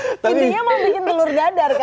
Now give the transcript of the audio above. intinya mau bikin telur dadar kan